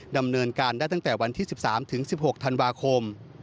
ดำเนินการได้ตั้งแต่วันที่๑๓๑๖ธันวาคม